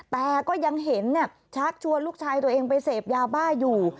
แต่ก็ยังเห็นชักชวนลูกชายตัวเองไปเสพยาบ้าอยู่